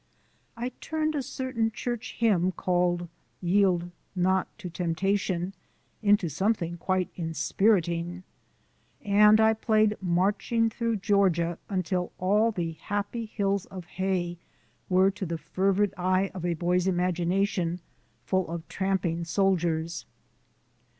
I turned a certain church hymn called "Yield Not to Temptation" into something quite inspiriting, and I played "Marching Through Georgia" until all the "happy hills of hay" were to the fervid eye of a boy's imagination full of tramping soldiers.